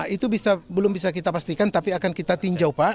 itu belum bisa kita pastikan tapi akan kita tinjau pak